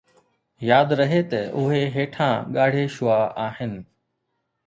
ياد رهي ته اهي هيٺيان ڳاڙهي شعاع آهن